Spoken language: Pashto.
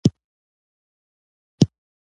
دوی په ټوله مانا په امن کې اوسي.